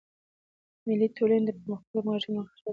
مېلې د ټولني د پرمختګ او همږغۍ نخښه ده.